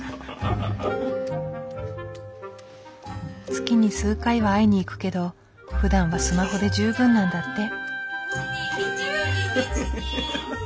月に数回は会いに行くけどふだんはスマホで十分なんだって。